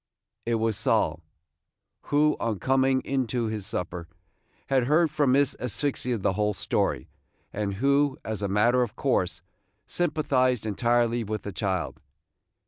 It was Sol, who, on coming in to his supper, had heard from Miss Asphyxia the whole story, and who, as a matter of course, sympathized entirely with the child.